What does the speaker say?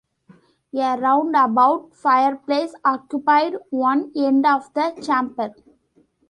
A roundabout fireplace occupied one end of the chamber.